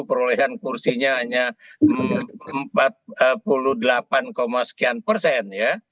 perolehan kursinya hanya empat puluh delapan sekian persen